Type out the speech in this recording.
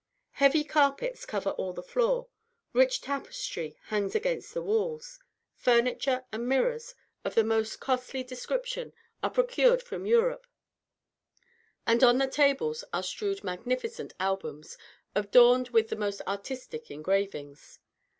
Heavy carpets cover all the floor; rich tapestry hangs against the walls; furniture and mirrors of the most costly description are procured from Europe; and on the tables are strewed magnificent albums, adorned with the most artistic engravings.